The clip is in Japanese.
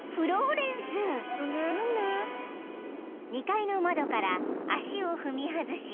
［２階の窓から足を踏み外し］